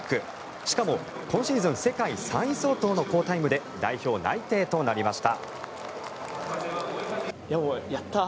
しかも、今シーズン世界３位相当の好タイムで代表内定となりました。